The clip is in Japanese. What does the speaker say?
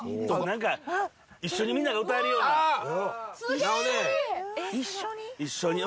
何か一緒にみんなが歌えるような一緒に？